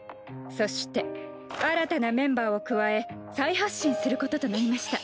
そして新たなメンバーを加え再発進することとなりました。